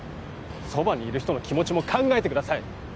そばにいる人の気持ちも考えてください